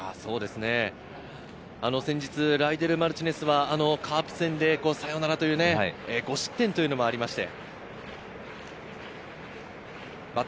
先日、ライデル・マルティネスはカープ戦でサヨナラという、５失点というのもありました。